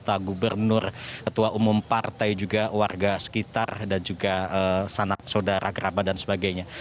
bapak gubernur ketua umum partai juga warga sekitar dan juga sanak saudara kerabat dan sebagainya